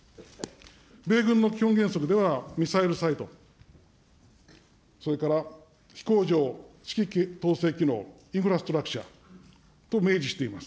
米軍の基本原則では、ミサイル・サイト、それから飛行場、指揮統制機能、インフラストラクチャー、明示しています。